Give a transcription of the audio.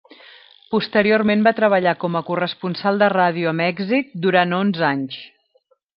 Posteriorment va treballar com a corresponsal de ràdio a Mèxic durant onze anys.